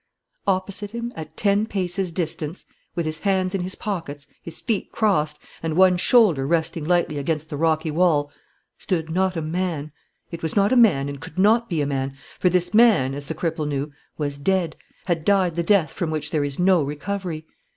Opposite him, at ten paces distance, with his hands in his pockets, his feet crossed, and one shoulder resting lightly against the rocky wall, stood not a man: it was not a man, and could not be a man, for this man, as the cripple knew, was dead, had died the death from which there is no recovery.